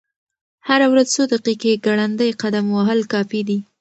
هره ورځ څو دقیقې ګړندی قدم وهل کافي دي.